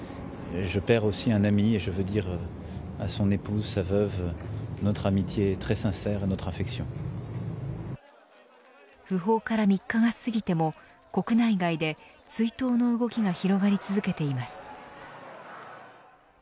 訃報から３日がすぎても国内外で追悼の動きが広がり続けています。